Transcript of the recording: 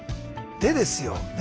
でですよね？